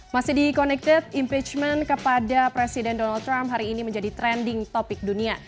masih di connected impeachment kepada presiden donald trump hari ini menjadi trending topic dunia